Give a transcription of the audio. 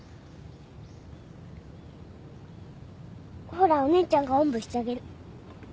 ほらお姉ちゃんがおんぶしてあげる。